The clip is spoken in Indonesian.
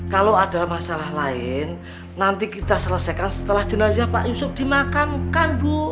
kalau ada masalah lain nanti kita selesaikan setelah jenazah pak yusuf dimakamkan bu